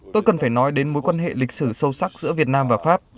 tôi cần phải nói đến mối quan hệ lịch sử sâu sắc giữa việt nam và pháp